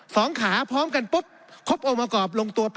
สองขาพร้อมกันปุ๊บครบโอม่ากรอบลงตัวเป๊